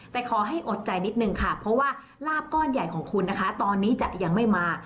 แต่ขอให้อดใจนิดนึงค่ะเพราะว่าลาบก้อนใหญ่ของคุณนะคะตอนนี้จะยังไม่มา